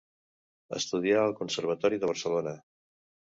Estudià al conservatori de Barcelona.